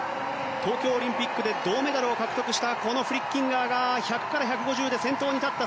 東京オリンピックで銅メダルを獲得したフリッキンガーが１００から１５０で先頭に立った。